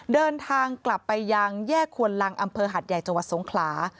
เดินทางกลับไปยังแยกควนลังอำเภอหัดใหญ่จังหวัดสงขลา